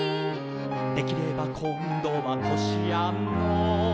「できればこんどはこしあんの」